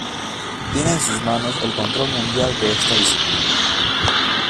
Tiene en sus manos el control mundial de esta disciplina.